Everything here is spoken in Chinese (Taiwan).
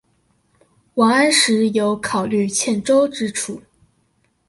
王安石有考慮欠周之處